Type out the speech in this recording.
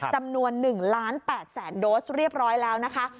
จำนวน๑ล้าน๘แสนโดสเรียบร้อยแล้วนะคะ